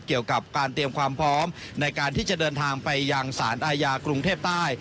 เกี่ยวกับการเตรียมความพร้อมในการที่จะเดินทางไปยังสารอาญากรุงเทพใต้